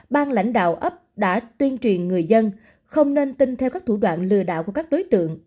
ban lãnh đạo ấp đã tuyên truyền người dân không nên tin theo các thủ đoạn lừa đảo của các đối tượng